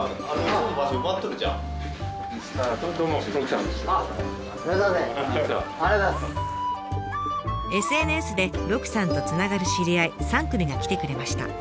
ＳＮＳで鹿さんとつながる知り合い３組が来てくれました。